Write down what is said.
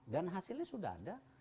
dan hasilnya sudah ada